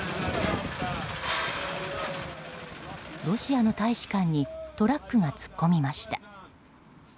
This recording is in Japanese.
ロシアの大使館にトラックが突っ込みました。